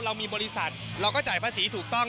เรามีบริษัทเราก็จ่ายภาษีถูกต้อง